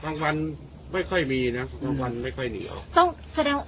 บางวันไม่ค่อยมีนะบางวันไม่ค่อยเหนียวต้องแสดงว่า